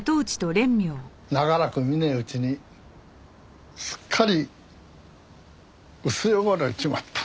長らく見ねえうちにすっかり薄汚れちまった。